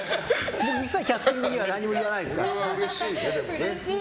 キャスティングには何も言わないですから。